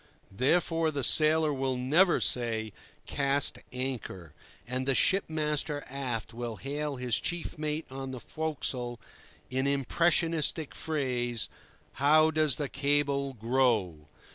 Therefore the sailor will never say, "cast anchor," and the ship master aft will hail his chief mate on the forecastle in impressionistic phrase: "How does the cable grow?"